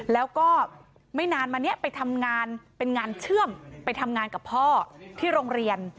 แล้วก็ไม่นานมานี้ไปทำงานเป็นงานเชื่อมไปทำงานกับพ่อที่โรงเรียน